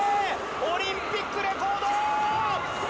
オリンピックレコード！